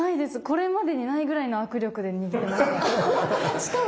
これまでにないぐらいの握力で握ってました。